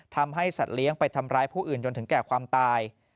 ทำให้สัตว์เลี้ยงไปทำร้ายผู้อื่นจนถึงแก่ความตาย